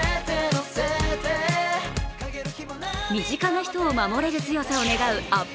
身近な人を守れる強さを願うアップ